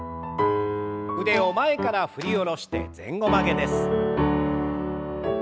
腕を前から振り下ろして前後曲げです。